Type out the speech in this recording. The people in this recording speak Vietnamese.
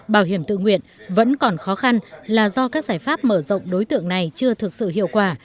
bảo hiểm tự nguyện vẫn còn khó khăn là do các giải pháp mở rộng đối tượng này chưa thực sự hiệu quả